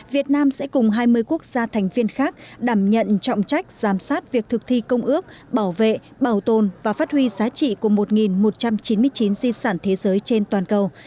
việt nam sẽ cùng hai mươi quốc gia thành viên khác đảm nhận trọng trách giám sát việc thực thi công ước bảo vệ bảo tồn và phát huy giá trị của các di sản thế giới trên toàn cầu